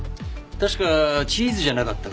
確かチーズじゃなかったかな？